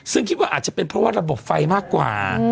ซึ่งคิดว่าอาจจะเป็นเพราะว่าระบบไฟมากกว่า